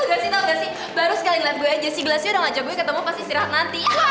lo gak sih tau gak sih baru sekali liat gue aja si glacio udah ngajak gue ketemu pas istirahat nanti